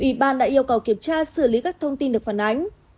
ủy ban đã yêu cầu kiểm tra xử lý các thông tin được phản ánh